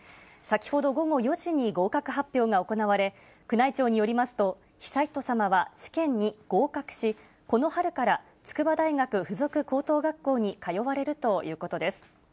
先ほど午後４時に合格発表が行われ、宮内庁によりますと、悠仁さまは試験に合格し、この春から、筑波大学附属高等学校に通われるということです。